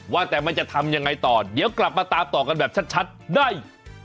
ว่าแต่มันจะทำยังไงต่อเดี๋ยวกลับมาตามต่อกันแบบชัดได้